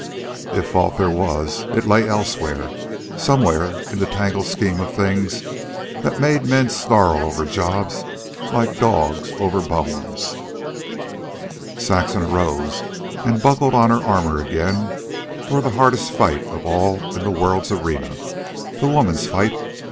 If fault there was, it lay elsewhere, somewhere in the tangled scheme of things that made men snarl over jobs like dogs over bones. So Saxon arose and buckled on her armor again for the hardest fight of all in the world's arena the woman's fight.